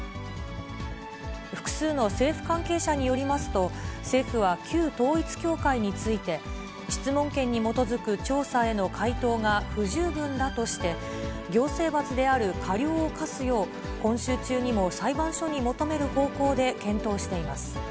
複数の政府関係者によりますと、政府は旧統一教会について、質問権に基づく調査への回答が不十分だとして、行政罰である過料を科すよう、今週中にも裁判所に求める方向で検討しています。